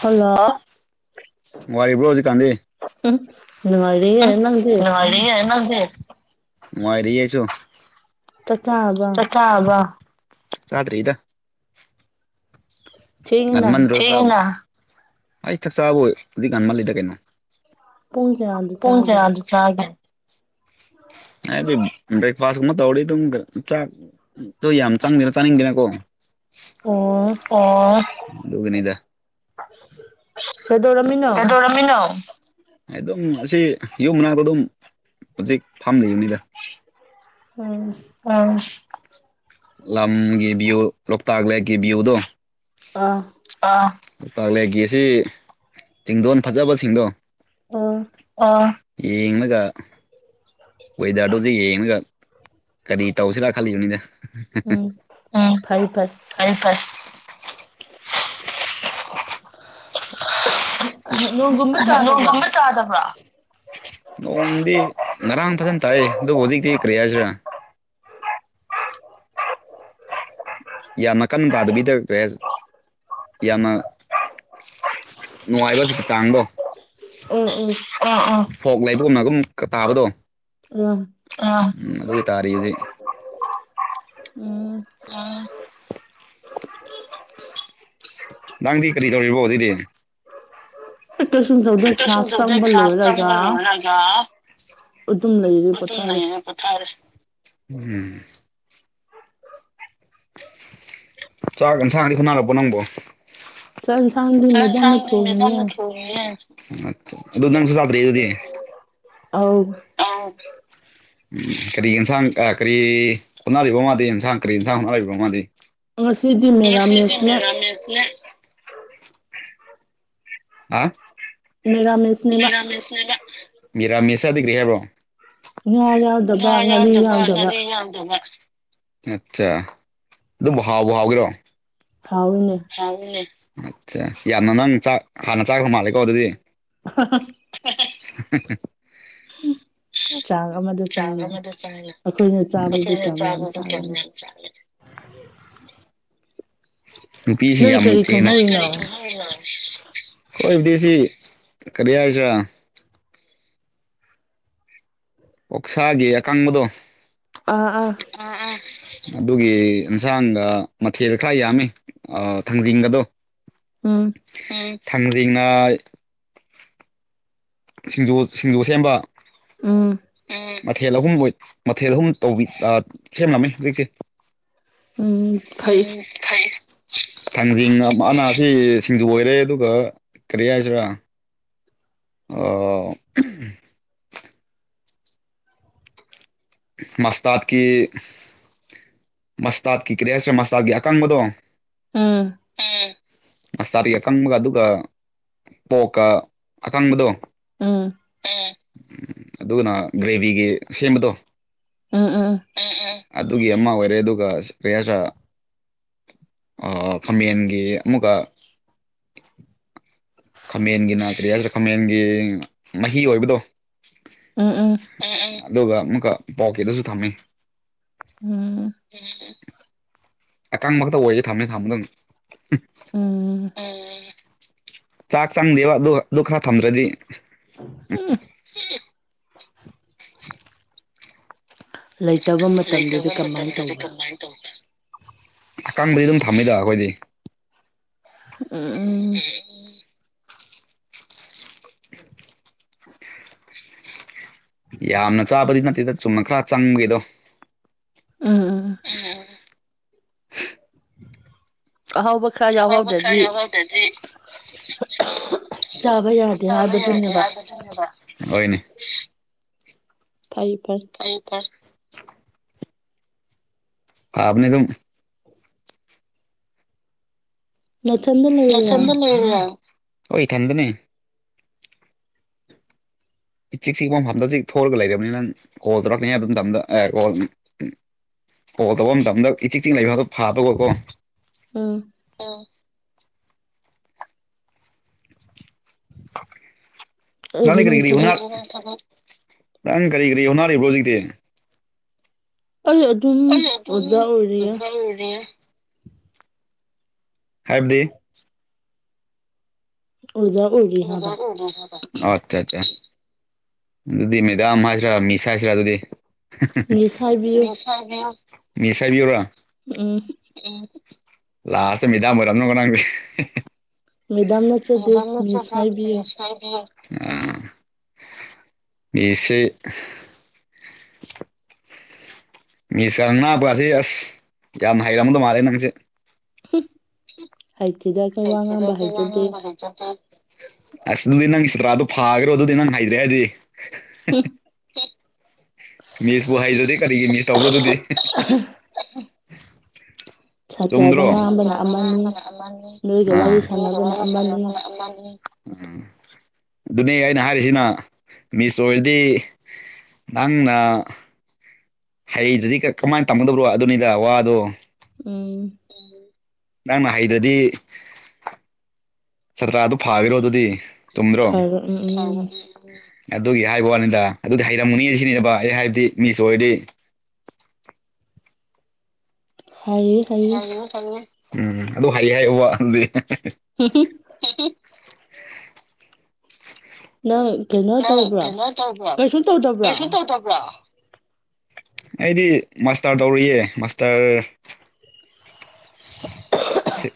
ꯍꯥꯂ ꯎꯝ ꯅꯨꯉꯥꯏꯔꯤꯌꯦ ꯅꯪꯗꯤ꯫ [unintelligible] ꯅꯨꯉꯥꯢꯔꯤꯌꯦ ꯑꯩꯁꯨ꯫ ꯆꯥꯛ ꯆꯥꯔꯕ ꯆꯥꯗ꯭ꯔꯤꯗ꯫ ꯉꯟꯃꯟꯗ [unintelligible] ꯑꯩ ꯆꯥꯛ ꯆꯥꯕ ꯍꯧꯖꯤꯛ ꯍꯟꯃꯟꯜꯂꯤꯗ ꯀꯩꯅꯣ꯫ ꯄꯨꯡꯆꯦ [unintelligible] [unintelligible] ꯑꯩꯗꯤ ꯕꯔ꯭ꯦꯛꯐꯥꯁ ꯀꯨꯝꯕ ꯇꯧꯔꯗꯤ ꯑꯗꯨꯝ ꯆꯥꯛ ꯇꯣ ꯌꯥꯝ ꯆꯡꯗꯦꯗ ꯆꯥꯅꯤꯡꯗꯦꯅꯀꯣ ꯑꯣ꯫ ꯑꯣ ꯗꯨꯅꯦꯗ ꯀꯗꯧꯔꯃꯤꯅꯣ꯫ ꯑꯗꯨꯝ ꯑꯁꯤ ꯌꯨꯝ ꯃꯅꯥꯛꯇꯣ ꯑꯗꯨꯝ ꯍꯧꯖꯤꯛ ꯐꯥꯝꯂꯤꯝꯅꯤꯗ꯫ ꯎꯝ ꯎꯝ ꯂꯝꯒꯤ ꯚ꯭ꯌꯨ ꯂꯣꯛꯇꯥꯛ ꯂꯦꯛꯀꯤ ꯚ꯭ꯌꯨꯗꯣ ꯑꯥ ꯑꯥ ꯂꯣꯛꯇꯥꯛꯂꯦꯛꯒꯤ ꯑꯁꯤ ꯆꯤꯡꯗꯣꯟ ꯐꯖꯕꯁꯤꯡꯗꯣ ꯑꯥ ꯌꯦꯡꯂꯒ ꯋꯦꯗꯔꯗꯨꯖꯤ ꯌꯦꯡꯉꯒ ꯀꯔꯤ ꯇꯧꯁꯤꯔꯥ ꯈꯜꯂꯤꯝꯅꯤꯗ꯫ [unintelligible] ꯎꯝ ꯐꯩ ꯐꯩ ꯅꯣꯡꯒꯨꯝꯕ ꯇꯥꯗꯕ꯭ꯔꯥ꯫ ꯅꯣꯡꯗꯤ ꯉꯔꯥꯡ ꯐꯖꯅ ꯇꯥꯏꯌꯦ ꯑꯗꯨ ꯍꯧꯖꯤꯛꯇꯤ ꯀꯔꯤ ꯍꯥꯏꯁꯤꯔꯥ ꯌꯥꯝꯅ ꯀꯟꯅ ꯇꯥꯗꯕꯤꯗ ꯌꯥꯝꯅ [inaudible] ꯅꯨꯡꯉꯥꯏꯕꯖꯨꯀꯤ ꯇꯥꯡꯗꯣ ꯑꯥ ꯑꯥ ꯐꯣꯛ ꯂꯩꯕꯒꯨꯝꯅ ꯒꯨꯝ ꯈꯥ ꯇꯥꯕꯗꯣ ꯎꯝ ꯑꯗꯨ ꯇꯥꯥꯔꯤ ꯍꯧꯖꯤꯛ꯫ ꯎꯝ꯫ ꯑꯦ ꯅꯪꯗꯤ ꯀꯔꯤ ꯇꯧꯔꯤꯕꯣ ꯍꯧꯖꯤꯗꯤ꯫ ꯑꯩ ꯀꯩꯁꯨꯝ ꯇꯧꯗꯦ ꯆ꯭ꯔꯥꯆ ꯆꯪꯕ ꯂꯣꯢꯔꯒ ꯑꯗꯨꯝ ꯂꯩꯔꯤ ꯄꯣꯊꯥꯔꯦ꯫ ꯊꯔꯦ ꯎꯝ ꯆꯥꯛ ꯌꯦꯟꯁꯥꯡꯗꯤ ꯍꯣꯠꯅꯔꯕꯣ ꯅꯪꯕꯣ ꯆꯥꯛ ꯌꯦꯟꯁꯥꯡꯗꯤ ꯃꯦꯗꯥꯝꯅ ꯊꫭꯡꯉꯤ [unintelligible] ꯑꯗꯨ ꯅꯪꯁꯨ ꯆꯥꯗ꯭ꯔꯤ ꯑꯗꯨꯗꯤ ꯑꯥꯎ [unintelligible] ꯎꯝ ꯀꯔꯤ ꯌꯦꯟꯁꯥꯡ ꯀꯔꯤ ꯍꯣꯠꯅꯔꯤꯕ ꯃꯥꯗꯤ ꯑꯦꯟꯁꯥꯡ ꯀꯔꯤ ꯏꯟꯁꯥꯡ ꯍꯣꯠꯅꯔꯤꯕ ꯃꯥꯗꯤ ꯉꯁꯤꯗꯤ ꯃꯦꯔꯥꯃꯦꯁ ꯅꯦ ꯑ ꯃꯤꯔꯥꯃꯤꯁꯅꯦꯕ ꯃꯦꯔꯥꯃꯦꯁ ꯍꯥꯏꯕꯗꯤ ꯀꯔꯤ ꯍꯥꯏꯕ꯭ꯔꫭ ꯉꯥ ꯌꯥꯎꯗꯕ ꯉꯥꯔꯤ ꯌꯥꯎꯗꯕ ꯑꯆꯥ ꯑꯗꯨꯕꯨ ꯍꯥꯎꯕꯨ ꯍꯥꯎꯒꯤꯔꯣ ꯍꯥꯎꯋꯤꯅꯦ ꯍꯥꯎꯋꯤꯅꯦ ꯌꯥꯝꯅ ꯅꯪ ꯆꯥꯛ ꯍꯥꯟꯅ ꯆꯥꯔ ꯃꯥꯜꯂꯦꯀꯣ ꯑꯗꯨꯗꯤ [unintelligible] [unintelligible] ꯆꯥꯡ ꯑꯃꯗ ꯆꯥꯏꯅ ꯑꯩꯈꯣꯏꯅ ꯆꯥꯕꯕꯨ ꯀꯌꯥꯝ ꯌꯥꯝ ꯆꯥꯒꯅꯤ [unintelligible] ꯅꯨꯄꯤꯁꯤ ꯌꯥꯝ ꯀꯦꯅ ꯅꯪ ꯀꯔꯤ ꯊꫭꯡꯉꯝꯃꯤꯅꫭ ꯈꯣꯏꯕꯨꯗꯤ ꯁꯤ ꯀꯔꯤ ꯍꯥꯏꯖꯦꯔꯥ ꯑꯣꯛꯁꯥꯒꯤ ꯑꯀꯪꯕꯗꯣ ꯑꯥ ꯑꯥ ꯑꯥ ꯑꯥ ꯑꯗꯨꯒꯤ ꯌꯦꯟꯁꯥꯡꯒ ꯃꯊꯦꯜꯗ ꯈꯔ ꯌꯥꯝꯃꯤ ꯊꯥꯡꯖꯤꯡꯒꯗꯣ ꯎꯝ ꯊꯥꯡꯖꯤꯡꯅ ꯁꯤꯡꯖꯨ ꯁꯤꯡꯖꯨ ꯁꯦꯝꯕ ꯎꯝ ꯃꯊꯦꯜ ꯑꯍꯨꯝ ꯑꯣꯏ ꯃꯊꯦꯜ ꯑꯍꯨꯝ ꯇꯧꯕꯤ ꯁꯦꯝꯂꯝꯃꯦ ꯍꯧꯖꯤꯛꯁꯦ ꯎꯝ ꯐꯩ ꯊꯥꯡꯖꯤꯡ ꯑꯃꯅꯥꯁꯤ ꯁꯤꯡꯖꯨ ꯑꯣꯏꯔꯦ ꯑꯗꯨꯒ ꯀꯔꯤ ꯍꯥꯏꯁꯤꯔꯥ ꯑꫭ ꯃꯁꯇꯥꯗꯀꯤ ꯃꯁꯇꯥꯠꯀꯤ ꯀꯔꯤꯍꯥꯏꯁꯤꯔ ꯃꯁꯇꯥꯠꯀꯤ ꯑꯀꯪꯕꯗꯣ ꯎꯝ ꯃꯁꯇꯥꯠꯀꯤ ꯑꯀꯪꯕꯒ ꯑꯗꯨꯒ ꯄꯣꯛꯀ ꯑꯀꯪꯕꯗꯣ ꯎꯝ ꯎꯝ ꯑꯗꯨꯒꯅ ꯒ꯭ꯔꯦꯚꯤꯒꯤ ꯁꯦꯝꯕꯗꯣ ꯎꯝ ꯎꯝ ꯑꯗꯨꯒꯤ ꯑꯃꯃ ꯑꯣꯏꯔꯦ ꯑꯗꯨꯒ ꯔꯔꯤꯌꯥꯁ ꯐꯃꯦꯟꯒꯤ ꯑꯃꯒ ꯈꯥꯃꯦꯟꯒꯤ ꯅꯥꯇꯔꯤ ꯍꯥꯏꯁꯤ꯭ꯔꯦ ꯈꯥꯃꯦꯟꯒꯤ ꯃꯍꯤ ꯑꯣꯏꯕꯗꯣ ꯎꯝ ꯎꯝ ꯑꯗꯨꯒ ꯑꯃꯨꯛꯀ ꯄꯥꯎ ꯀꯦꯗꯁꯨ ꯊꯝꯃꯤ ꯑꯀꯪꯕ ꯈꯛꯇ ꯑꯣꯏꯁꯦ ꯊꯝꯅꯤ ꯊꯝꯕꯗ ꯆꯥꯛ ꯆꯪꯗꯦꯕ ꯑꯗꯨ ꯈꯔ ꯊꯝꯗ꯭ꯔꯗꯤ [unintelligible] [inaudible] ꯂꯩꯇꯕ ꯃꯇꯝꯗꯗꯤ ꯀꯃꯥꯏꯅ ꯇꯧꯕ [unintelligible] ꯑꯀꯥꯡꯕꯗꯤ ꯑꯗꯨꯝ ꯊꯝꯃꯤꯗ ꯑꯩꯈꯣꯏꯗꯤ ꯎꯝ ꯌꯥꯝꯅ ꯆꯥꯕꯗꯤ ꯅꯠꯇꯦꯗ ꯆꯨꯝꯅ ꯈꯔ ꯆꯪꯒꯦꯗꯣ ꯎꯝ ꯎꯝ ꯑꯍꯥꯎꯕ ꯈꯔ ꯌꯥꯎꯍꯧꯗ꯭ꯔꯗꯤ ꯆꯥꯕ ꯌꯥꯗꯦ ꯍꯥꯏꯕꯗꯨꯅꯦꯕ ꯑꯣꯏꯣꯏꯅꯦ ꯐꯥꯏ ꯐꯔ ꯑ ꯇ ꯑꯅꯦ ꯑꯣꯏꯣꯏ ꯊꯟꯗꯅꯦ ꯏ ꯆꯤ ꯆꯤꯛꯄ ꯃꯐꯝꯗ ꯆꯖꯤꯛ ꯊꯣꯛꯂꯒ ꯂꯩꯔꯕꯅꯤꯅ ꯅꯪ ꯀꯣꯜ ꯇꯧꯔꯛꯅꯤ ꯑꯗꯨꯝꯗ ꯀꯣꯜ ꯀꯣ ꯇꯧꯕ ꯃꯇꯝꯗ ꯏꯇꯤꯛꯇꯤꯛ ꯂꯩꯕꯗꯣ ꯐꯥꯗꯧꯕꯀꯣ ꯑꯥ ꯑ ꯅꯍꯥꯟꯗꯤ ꯀꯔꯤ ꯀꯔꯤ ꯅꯪ ꯀꯔꯤ ꯀꯔꯤ ꯍꯧꯣꯠꯅꯔꯤꯕ꯭ꯔꯣ ꯍꯧꯖꯤꯛꯇꯤ ꯑ ꯑꯣꯏ ꯍꯥꯏꯕꯗꯤ ꯑꯣꯖ ꯎꯒ ꯍꯖꯒ ꯑꯠꯆꯥ ꯑꯆꯥ ꯑꯗꯨꯗꯤ ꯃꯦꯗꯥꯝ ꯍꯥꯏꯁꯤ꯭ꯔ ꯃꯤꯁ ꯍꯥꯏꯁꯤꯔ ꯑꯗꯨꯗꯤ ꯃꯤꯁꯥꯏꯕꯤꯌꯔꯥ ꯎꯝ ꯂꯥꯁꯇ ꯃꯤꯗꯥꯝꯕꯔꯝꯅꯪ ꯀꯣꯅꯪꯁꯨꯦ ꯃꯦꯗꯥꯝꯅ ꯃꯗꯝꯅ ꯆꯊ ꯑ ꯈꯥꯏꯕꯤ ꯑ ꯃꯤꯁꯦ ꯃꯤꯁꯅꯄꯁꯦ ꯑꯁ ꯌꯥꯝꯅ ꯍꯩꯔꯝꯃꯗꯧ ꯃꯥꯜꯂꯦ ꯅꯪꯁꯦ ꯍꯥꯏꯊꯤꯗ ꯑꯩꯈꯣꯏ ꯋꯥ ꯉꯥꯡꯕ ꯍꯥꯏꯖꯗꯦ ꯑꯁ ꯑꯗꯨꯗꯤ ꯅꯪ ꯆꯇ꯭ꯔꯥꯗꯣ ꯐꯥꯈ꯭ꯔꯣ ꯑꯗꯨꯗꯤ ꯅꯪ ꯍꯩꯗ꯭ꯔꯦ ꯍꯥꯏꯗꯤ ꯎꯝ ꯃꯤꯁꯄꯨ ꯍꯩꯖꯗꯦ ꯀꯔꯤꯒꯤ ꯃꯤꯁ ꯇꯧꯔꯣꯗꯨꯗꯤ ꯕꯅ ꯑꯃꯅꯤ ꯋꯥꯔꯤ ꯁꯅꯕꯅ ꯑꯃꯅꯤ ꯎꯝ ꯑꯗꯨꯅꯤ ꯑꯩꯅ ꯍꯥꯏꯔꯤꯁꯤꯅ ꯃꯤꯁ ꯑꯣꯏꯔꯗꯤ ꯅꯪꯅ ꯍꯩꯗꯨꯗꯤ ꯀꯃꯥꯏꯅ ꯇꯝꯒꯗꯕ꯭ꯔꯣ ꯑꯗꯨꯅꯤꯗ ꯋꯥꯗꯣ ꯎꯝ ꯅꯪ ꯅꯥꯍꯩꯗꯨꯗꯤ ꯁꯥꯇ꯭ꯔꯥꯗꯨ ꯐꯥꯕꯤꯔꯣ ꯑꯗꯨꯗꯤ ꯇꯨꯝꯗ꯭ꯔꯣ ꯑꯗꯨꯒꯤ ꯍꯥꯏꯕ ꯋꯥꯅꯤꯗ ꯑꯗꯨꯗꯤ ꯍꯩꯔꯝꯒꯅꯤ ꯁꯤꯅꯤꯕ ꯑꯩ ꯍꯥꯏꯕꯗꯤ ꯃꯤꯁ ꯑꯣꯏꯔꯗꯤ ꯍꯩꯌꯦ ꯍꯩꯌꯦ ꯎꯝ ꯑꯗꯨ ꯍꯥꯏꯌꯦ ꯍꯥꯏꯨꯕ ꯑꯗꯨꯗꯤ [inaudible] [inaudible] ꯅꯪ ꯀꯩꯅꯣ ꯅꯪ ꯀꯩꯅꯣ ꯇꯧꯕ꯭ꯔꯣ ꯀꯩꯁꯨ ꯇꯧꯗꯕ꯭ꯔꯣ ꯑꯩꯗꯤ ꯃꯥꯁꯇꯔ ꯇꯧꯔꯤꯌꯦ ꯃꯥꯁꯇꯔ ꯁꯤ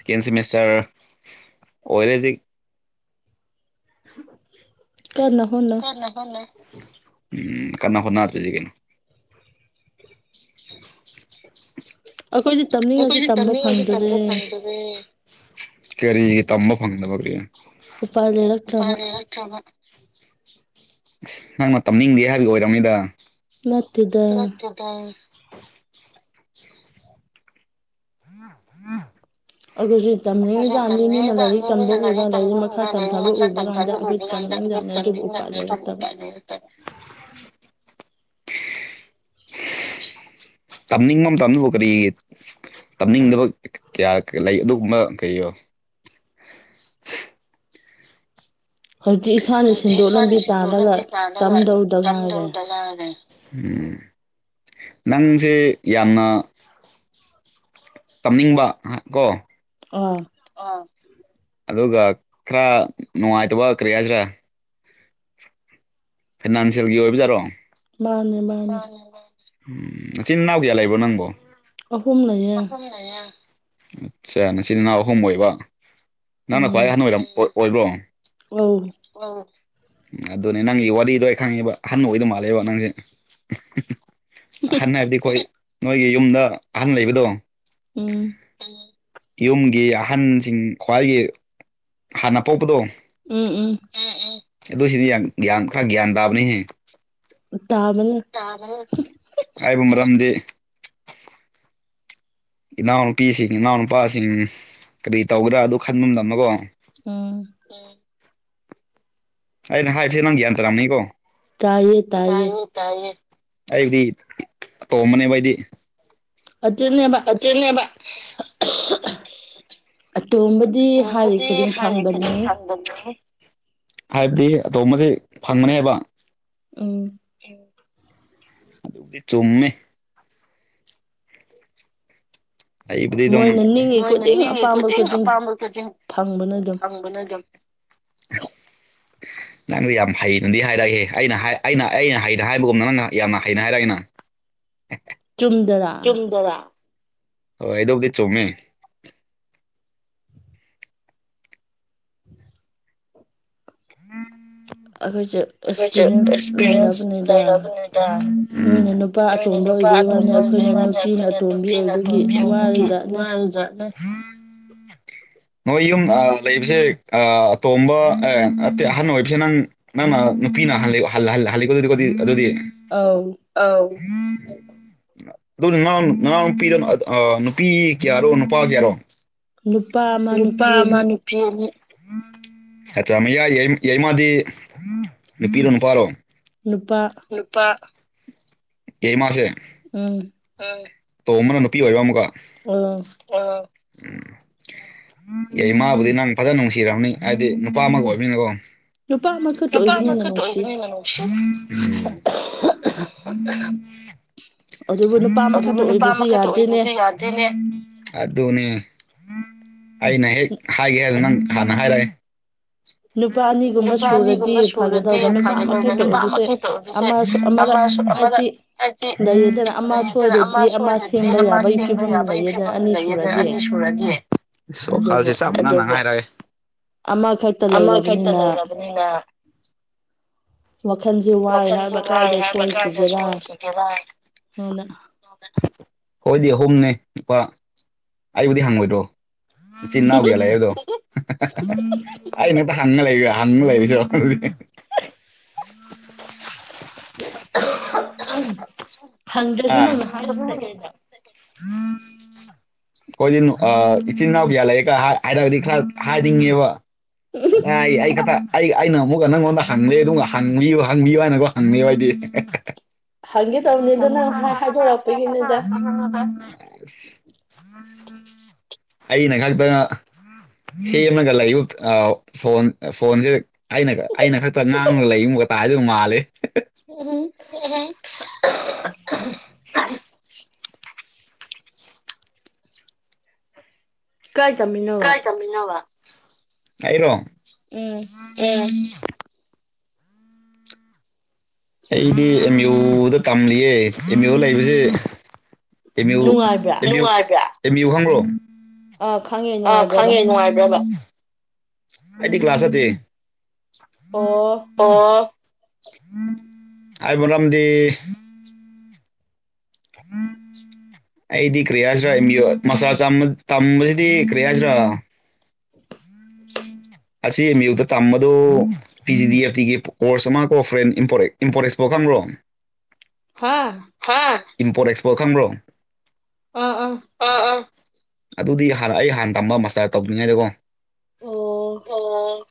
ꯁꯦꯀꯦꯟ ꯁꯤꯃꯤꯁꯇꯔ ꯑꯣꯏꯔꯦꯖꯤ ꯀꯅꯥ ꯍꯣꯅ ꯎꯝ ꯀꯅꯥ ꯐꯣꯔꯅꯥꯕꯁꯤ ꯀꯩꯅꯣ ꯑꯩꯈꯣꯏ ꯇꯝꯅꯤꯡꯉ ꯐꯗ ꯀꯔꯤ ꯇꯝꯕ ꯐꯪꯗꯕꯒ ꯎꯄꯥꯜ ꯂꯩꯂꯠꯇ꯭ꯔꯕ [unintelligible] ꯅꯪꯅ ꯇꯝꯅꯤꯡꯗꯦ ꯍꯥꯏꯕꯒꯤ ꯑꯣꯏꯔꯕꯝꯅꯤꯗ ꯅꯠꯇꯦꯗ ꯇꯣꯡ [inaudible] [inaudible] [unintelligible] [unintelligible] ꯇꯝꯅꯤꯡꯃꯝ ꯇꯝꯕ ꯀꯔꯤꯒꯤ ꯇꯝꯅꯤꯡꯗꯕ ꯀꯌꯥ ꯂꯩ ꯑꯗꯨꯒꯨꯝꯕ ꯀꯩꯕꯣ [unintelligible] ꯍꯧꯖꯤꯛ ꯏꯁꯥꯅ ꯁꯟꯗꯣꯛ ꯂꯝꯕꯤ ꯇꯥꯜꯂꯒ ꯇꯝꯗꯧꯗꯅꯅꯦ ꯎꯝ ꯅꯪꯁꯦ ꯌꯥꯝꯅ ꯇꯝꯅꯤꯡꯕ ꯀꯣ ꯑꯥ ꯑꯗꯨꯒ ꯈꯔ ꯅꯨꯡꯉꯥꯏꯇꯕ ꯀꯔꯤ ꯍꯥꯏꯁꯤꯔꯥ ꯐꯥꯏꯅꯥꯟꯁꯤꯌꯦꯜꯒꯤ ꯑꯣꯏꯕꯖꯥꯔꯣ ꯎꯝ ꯏꯆꯤꯟ ꯏꯅꯥꯎ ꯀꯌꯥ ꯂꯩꯕꯣ ꯅꯪꯕꯣ ꯑꯍꯨꯝ ꯂꯩꯌꯦ ꯅꯆꯤꯟ ꯅꯅꯥꯎ ꯑꯍꯨꯝ ꯑꯣꯏꯕ ꯅꯪꯅ ꯈ꯭ꯋꯥꯏ ꯑꯍꯟ ꯑꯣꯏꯔꯝ ꯑꯣꯏꯕ꯭ꯔꯣ ꯑꯣ ꯑꯪ ꯑꯗꯨꯅꯦ ꯅꯪꯒꯤ ꯋꯥꯔꯤꯗ ꯑꯩ ꯈꯪꯉꯦꯕ ꯑꯍꯟ ꯑꯣꯏꯗꯧ ꯃꯥꯜꯂꯦꯕ ꯅꯪꯁꯦ ꯑꯍꯟ ꯍꯥꯏꯕꯗꯤ ꯑꯩꯈꯣꯏ ꯅꯣꯏꯒꯤ ꯌꯨꯝꯗ ꯑꯍꯟ ꯂꯩꯕꯗꯣ ꯌꯨꯝꯒꯤ ꯑꯍꯟꯁꯤꯡ ꯈ꯭ꯋꯥꯏꯒꯤ ꯍꯥꯟꯅ ꯄꯣꯛꯄꯗꯣ ꯎꯝ ꯎꯝ ꯑꯗꯨ ꯁꯤꯗꯤ ꯒ꯭ꯌꯥꯟ ꯈꯔ ꯒ꯭ꯌꯥꯟ ꯇꯥꯕꯅꯤꯍꯦ ꯇꯥꯕꯅ ꯍꯥꯏꯕ ꯃꯔꯝꯗꯤ ꯏꯅꯥꯎꯅꯨꯄꯤꯁꯤꯡ ꯏꯅꯥꯎꯅꯨꯄꯥꯁꯤꯡ ꯀꯔꯤ ꯇꯧꯒꯗ꯭ꯔꯥ ꯑꯗꯨ ꯈꯟꯕꯗꯕꯅꯀꯣ ꯎꯝ ꯑꯩꯅ ꯍꯥꯏꯔꯤꯁꯤ ꯅꯪ ꯒ꯭ꯌꯥꯟ ꯇꯥꯔꯝꯅꯤꯀꯣ ꯇꯥꯏꯌꯦ ꯇꯥꯏꯌꯦ ꯇꯥꯏꯌꯦ ꯑꯩꯕꯨꯗꯤ ꯇꯣꯝꯕꯅꯦꯕ ꯑꯩꯗꯤ ꯑꯇꯨꯅꯦꯕ ꯑꯇꯣꯝꯕꯗꯤ ꯍꯥꯏꯔꯤ ꯈꯨꯗꯤꯡ [unintelligible] ꯍꯥꯏꯕꯗꯤ ꯑꯇꯣꯁꯦ ꯐꯪꯕꯅꯦꯕ ꯎꯝ ꯆꯨꯝꯃꯦ ꯑꯩꯕꯨꯗꯤ ꯑꯗꯨꯝ ꯃꯣꯏꯅ ꯅꯤꯡꯉꯤ ꯈꯨꯗꯤꯡ ꯑꯄꯥꯝꯕ ꯈꯨꯗꯤꯡ ꯐꯪꯕꯅꯦ ꯑꯗꯨꯝ [unintelligible] ꯅꯪꯗꯤ ꯌꯥꯝ ꯍꯩꯅꯗꯤ ꯍꯥꯏꯔꯛꯏ ꯑꯩꯅ ꯍꯥꯏ ꯑꯩꯅ ꯑꯩꯅ ꯍꯩꯅ ꯍꯥꯏꯕꯒꯨꯝꯅ ꯅꯪꯅ ꯌꯥꯝꯅ ꯍꯩꯅ ꯍꯥꯏꯔꯛꯏꯅ [unintelligible] ꯆꯨꯝꯗꯔꯥ ꯆꯨꯝꯗꯔ ꯍꯣꯏ ꯑꯗꯨꯕꯨꯗꯤ ꯆꯨꯝꯃꯦ ꯎꯝ ꯈꯣꯏ ꯑꯦꯛꯁꯄꯤꯔꯤꯌꯦꯟꯁ ꯂꯩꯔꯕꯅꯤꯗ ꯑꯩꯅ ꯅꯨꯄꯥ ꯑꯇꯣꯟꯕ ꯑꯣꯏꯕ ꯋꯥꯗ ꯑꯩꯈꯣꯏꯅ ꯅꯨꯄꯤꯅ ꯑꯇꯣꯝꯕꯤ ꯑꯣꯏꯕꯒꯤ ꯋꯥꯔꯗ [inaudible] ꯅꯣꯏ ꯌꯨꯝ ꯂꯩꯕꯁꯦ ꯑꯇꯣꯝꯕ ꯑꯦ ꯅꯠꯇꯦ ꯑꯍꯟ ꯑꯣꯏꯕꯁꯦ ꯅꯪ ꯅꯪꯅ ꯅꯨꯄꯤꯅ ꯍꯜꯂꯦ ꯍꯜ ꯍꯜ ꯍꯜꯂꯦꯀꯣꯗꯤ ꯑꯗꯨꯗꯤ ꯑꯥꯎ ꯑꯥꯎ ꯑꯗꯨ ꯅꯅꯥꯎ ꯅꯅꯥꯎꯅꯨꯄꯤ ꯅꯨꯄꯤ ꯀꯌꯥꯔꯣ ꯅꯨꯄꯥ ꯀꯌꯥꯔꯣ ꯅꯨꯄꯥ ꯑꯃꯅꯤ ꯅꯨꯄꯤ ꯑꯅꯤ ꯃꯌꯥꯏꯒꯤ ꯌꯥꯏꯃꯗꯤ ꯅꯨꯄꯤꯔꯣ ꯅꯨꯄꯥꯔꯣ ꯅꯨꯄꯥ ꯅꯨꯄꯥ ꯑꯩꯃꯥꯁꯦ ꯎꯝ ꯇꯣꯝꯕꯅ ꯅꯨꯄꯤ ꯑꯣꯏꯕ ꯑꯃꯨꯛꯀ ꯎꯝ ꯑꯣ ꯌꯥꯏꯃꯥꯕꯨꯗꯤ ꯅꯪ ꯐꯖꯅ ꯅꯨꯡꯁꯤꯔꯝꯃꯅꯤ ꯍꯥꯏꯗꯤ ꯅꯨꯄꯥ ꯑꯃꯒ ꯑꯣꯏꯕꯅꯤꯅꯀꯣ ꯅꯨꯄꯥ ꯑꯃꯈꯛꯇ ꯑꯣꯏꯕ ꯅ ꯅꯨꯡꯁꯤ ꯎꯝ ꯑꯗꯨꯒ ꯅꯨꯄꯥ ꯃꯈꯛꯇ ꯑꯣꯏꯕꯁꯦ ꯌꯥ ꯗꯦꯅꯦ ꯑꯗꯨꯅꯦ ꯑꯩꯅ ꯍꯦꯛ ꯍꯥꯏꯒꯦ ꯍꯥꯏꯗ ꯅꯪ ꯍꯥꯟꯅ ꯍꯥꯏꯔꯛꯑꯦ ꯅꯨꯄꯥ ꯑꯅꯤꯒꯨꯝꯕ ꯁꯨꯔꯗꯤ ꯐꯒꯗꯕꯅꯦ ꯅꯨꯄꯥ ꯑꯃ ꯑꯣꯏꯕꯁꯦ ꯑꯃ ꯑꯃꯗ ꯍꯥꯏꯗꯤ ꯂꯩꯗꯅ ꯑꯃ ꯁꯣꯏꯒ꯭ꯔ ꯑꯃ ꯁꯦꯝꯕ ꯌꯥꯕꯒꯤ ꯐꯤꯕꯝ ꯂꯩꯌꯦꯗ ꯑꯅꯤ ꯁꯨꯔꯗꯤ ꯁꯣꯀꯜꯁꯦ ꯆꯞ ꯃꯥꯟꯅ ꯍꯥꯏꯔꯛꯑꯦ ꯑꯃ ꯈꯛ ꯑꯃꯈꯛꯇ ꯂꯩꯔꯕꯅꯤꯅ ꯋꯥꯈꯟꯁꯨ ꯋꯥꯏ ꯍꯥꯏꯕ [unintelligible] ꯍꯣꯏꯗꯤ ꯑꯍꯨꯝꯅꯦ ꯅꯨꯨꯄꯥ ꯑꯩꯕꯨꯗꯤ ꯍꯪꯉꯣꯏꯗ꯭ꯔꯣ ꯏꯆꯤꯟ ꯏꯅꯥꯎ ꯀꯌꯥ ꯂꯩꯑꯦꯗꯣ ꯑꯩꯅ ꯈꯠꯇ ꯍꯪꯉ ꯍꯪꯉ ꯂꯩꯔꯁꯤꯔꯣ [inaudible] ꯈꯪꯗ꯭ꯔꯁꯨ ꯅꯪ ꯍꯥꯏꯔꯄ ꯀꯩꯗꯣꯅꯣ [unintelligible] ꯑꯩꯈꯣꯏꯗꯤ ꯏꯆꯤꯟ ꯏꯅꯥꯎ ꯀꯌꯥ ꯂꯩꯑꯦꯒ ꯍꯥꯏꯔꯒꯗꯤ ꯈꯔ ꯍꯥꯏꯅꯤꯡꯉꯦꯕ ꯑꯩ ꯀꯠꯇ ꯑꯩ ꯑꯩꯅ ꯑꯃꯨꯛꯀ ꯅꯪꯉꯣꯟꯗ ꯍꯪꯕꯅꯦ ꯑꯗꯨꯒ ꯍꯪꯕꯤꯌꯨ ꯍꯪꯕꯤꯌꯨ ꯍꯥꯏꯅꯀꯣ ꯍꯪꯕꯅꯦ ꯑꯩꯗꯤ ꯀ ꯊ [unintelligible] [inaudible] ꯎꯝ [unintelligible] ꯑꯩꯅ ꯈꯛꯇ ꯁꯦꯝꯃꯒ ꯂꯩꯌ ꯐꯣꯟ ꯐꯣꯟꯁꯦ ꯑꯩꯅ ꯑꯩꯅ ꯈꯛꯇ ꯉꯥꯡꯅ ꯂꯩ ꯑꯃꯒ ꯇꯥꯗꯧ ꯃꯥꯜꯂꯦ [inaudible] ꯍ [unintelligible] ꯀꯥꯏ ꯇꯝꯃꯤꯅꯣꯕ ꯑꯩꯔꯣ ꯎꯝ ꯎꯝ ꯑꯩꯗꯤ ꯑꯦꯝ ꯌꯨꯗ ꯇꯝꯂꯤꯌꯦ ꯑꯦꯝ ꯌꯨ ꯂꯩꯕꯁꯦ ꯃꯦꯝ ꯌꯨ ꯑꯦꯝ ꯌꯨ ꯅꯨꯡꯉꯥꯏꯕ꯭ꯔꯥ ꯑꯦꯝ ꯌꯨ ꯈꯪꯕ꯭ꯔꯣ ꯑꯥ ꯈꯪꯉꯦ ꯑꯥ ꯈꯪꯉꯦ ꯅꯨꯡꯉꯥꯏꯕ꯭ꯔꯕ ꯑꯩꯗꯤ ꯀ꯭ꯂꯥꯁ ꯆꯠꯇꯦ ꯑꯣ ꯑꯣ ꯑꯩꯕꯨꯣꯔꯝꯗꯤ [unintelligible] ꯑ [unintelligible] ꯑꯩꯗꯤ ꯀꯔꯤ ꯍꯥꯏꯁꯤꯔꯥ ꯃꯁꯥ ꯇꯝꯕꯁꯤꯗꯤ ꯀꯔꯤ ꯍꯥꯏꯁꯤꯔꯥ [inaudible] ꯑꯁꯤ ꯃꯌꯨꯗ ꯇꯝꯕꯗꯨ ꯄꯤ ꯖꯤ ꯗꯤ ꯑꯦ ꯇꯤꯒꯤ ꯀ꯭ꯔꯣꯁ ꯑꯃ ꯀꯣ ꯐ꯭ꯔꯦꯟ ꯏꯝꯄꯣꯔꯦꯛꯁꯄꯥꯎ ꯈꯪꯕ꯭ꯔꯣ ꯍꯥꯥ ꯏꯝꯄꯣꯔꯠ ꯑꯦꯛꯁꯄꯣꯔꯠ ꯈꯪꯕ꯭ꯔꯣ ꯑꯥ ꯑꯥ ꯑꯥ ꯑꯥ ꯑꯗꯨꯗꯤ ꯍꯥꯟꯅ ꯑꯩ ꯍꯥꯟꯅ ꯇꯝꯕ ꯃꯥꯁꯇꯔ ꯇꯧꯗ꯭ꯔꯤꯉꯥꯏꯗꯀꯣ ꯑꯣ ꯑꯣ